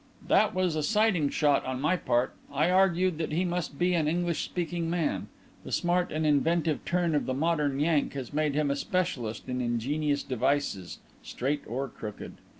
"That was a sighting shot on my part. I argued that he must be an English speaking man. The smart and inventive turn of the modern Yank has made him a specialist in ingenious devices, straight or crooked.